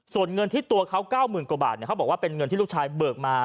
ส่วนเงินที่ตัวเขา๙๐๐๐กว่าบาทเขาบอกว่าเป็นเงินที่ลูกชายเบิกมา